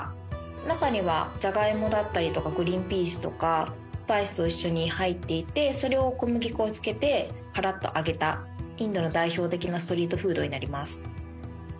中にはジャガイモだったりとかグリーンピースとかスパイスと一緒に入っていてそれを小麦粉をつけてカラッと揚げたインドの代表的なストリートフードになります。